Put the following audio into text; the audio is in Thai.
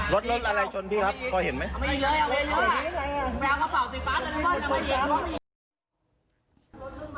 รถอะไรชนพี่ครับพอเห็นไหม